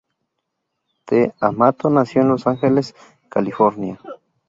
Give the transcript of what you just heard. D'Amato nació en Los Ángeles, California.